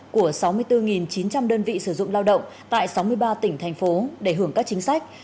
của sáu mươi bốn chín trăm linh đơn vị sử dụng lao động tại sáu mươi ba tỉnh thành phố để hưởng các chính sách